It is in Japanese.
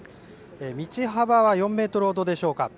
道幅は４メートルほどでしょうか。